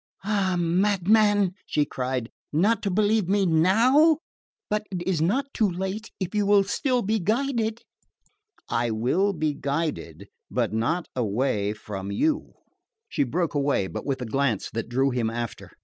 "Ah, madman," she cried, "not to believe me NOW! But it is not too late if you will still be guided." "I will be guided but not away from you." She broke away, but with a glance that drew him after.